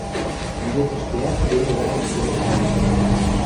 Ӹнде ӹшкеӓт Березайын кидӹш вӓрештӹн.